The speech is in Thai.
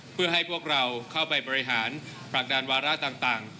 เพื่อให้พวกเราเข้าไปบริหารผลักดันวาระต่าง